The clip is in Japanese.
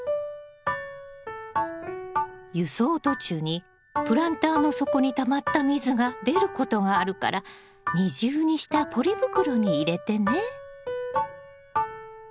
輸送途中にプランターの底にたまった水が出ることがあるから二重にしたポリ袋に入れてね。